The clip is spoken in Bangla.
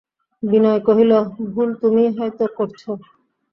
বিনয় কহিল, ভুল তুমিই হয়তো করছ।